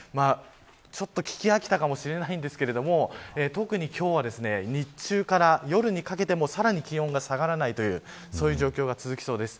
ちょっと聞き飽きたかもしれないんですが特に今日は日中から夜にかけてもさらに気温が下がらないというそういう状況が続きそうです。